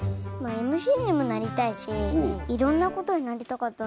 ＭＣにもなりたいしいろんな事になりたかったので。